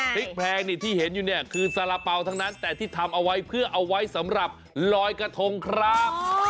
พริกแพงนี่ที่เห็นอยู่เนี่ยคือสาระเป๋าทั้งนั้นแต่ที่ทำเอาไว้เพื่อเอาไว้สำหรับลอยกระทงครับ